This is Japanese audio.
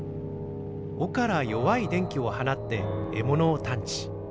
尾から弱い電気を放って獲物を探知。